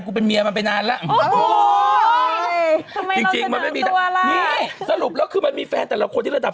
กูเป็นเมียมันไปนานแล้วโอ้โหทำไมเราสนับตัวล่ะนี่สรุปแล้วคือมันมีแฟนแต่ละคนที่ระดับ